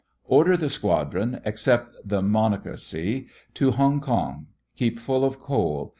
Order the squadron, except the Monocacy, to Hongkong. Keep full of coal.